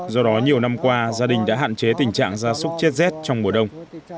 do đó nhiều năm qua gia đình đã hạn chế tình trạng gia súc chết rét trong mùa đông